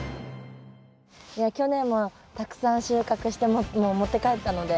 いや去年もたくさん収穫してもう持って帰ったので。